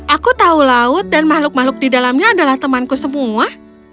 aku tahu laut dan makhluk makhluk di dalamnya adalah temanku semua